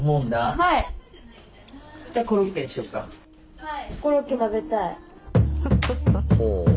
はい！